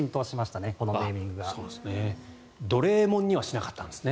どれーもんにはしなかったんですね。